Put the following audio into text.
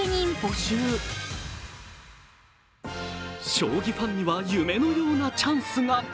将棋ファンには夢のようなチャンスが。